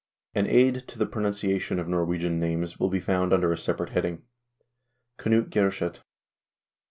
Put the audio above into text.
An aid to the pronunciation of Nor wegian names will be found under a separate heading. KNUT GJERSET.